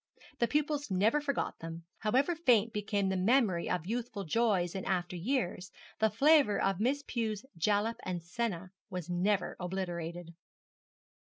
The pupils never forgot them. However faint became the memory of youthful joys in after years, the flavour of Miss Pew's jalap and senna was never obliterated.